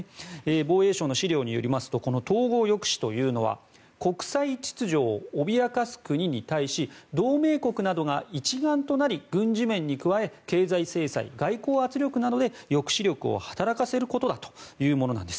防衛省の資料によりますと統合抑止というのは国際秩序を脅かす国に対し同盟国などが一丸となり軍事面に加え経済制裁、外交圧力などで抑止力を働かせることだというものなんです。